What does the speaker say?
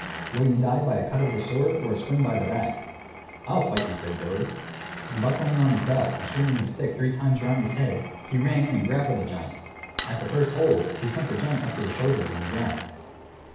Will you die by a cut of the sword, or a swing by the back?" "I'll fight you," said Billy. And buckling on his belt and swinging his stick three times round his head, he ran in and grappled the giant. At the first hold, he sunk the giant up to the shoulders in the ground.